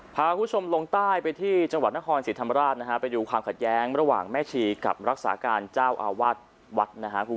พาคุณผู้ชมลงใต้ไปที่จังหวัดนครศรีธรรมราชนะฮะไปดูความขัดแย้งระหว่างแม่ชีกับรักษาการเจ้าอาวาสวัดนะฮะ